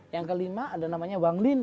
yang kelima ada namanya banglin